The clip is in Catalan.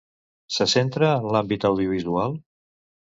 Se centra en l'àmbit audiovisual?